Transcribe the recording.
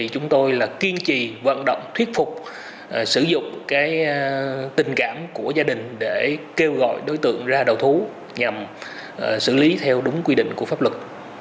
chúng tôi kiên trì vận động thuyết phục sử dụng tình cảm của gia đình để kêu gọi đối tượng ra đầu thú nhằm xử lý theo đúng quy định của pháp luật